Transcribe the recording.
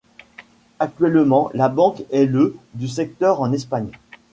Actuellement, la Banque est le du secteur en Espagne.